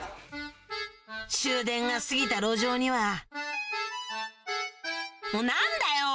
終電が過ぎた路上にはもう何だよ！